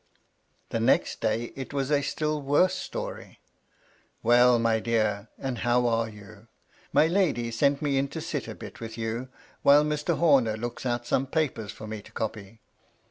The next day it was a still worse story. " Well, my dear ! and how are you? My lady sent me in to sit a bit with you, while Mr. Homer looks out some papers for me to copy.